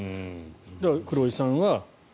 だから、黒井さんは。